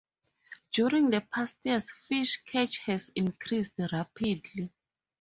During the past years, fish catch has increased rapidly.